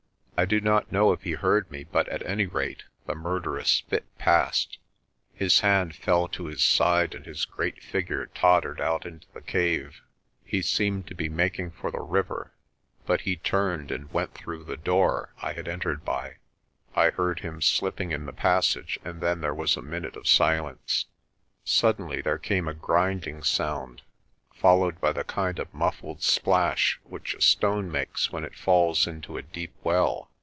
I do not know if he heard me but at any rate the mur derous fit passed. His hand fell to his side and his great figure tottered out into the cave. He seemed to be making for the river but he turned and went through the door I 240 PRESTER JOHN had entered by. I heard him slipping in the passage and then there was a minute of silence. Suddenly there came a grinding sound, followed by the kind of muffled splash which a stone makes when it falls into a deep well.